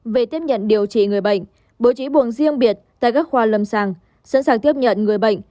về tiếp nhận điều trị người bệnh bố trí buồng riêng biệt tại các khoa lâm sàng sẵn sàng tiếp nhận người bệnh